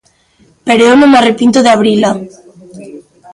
Pero eu non me arrepinto de abrila.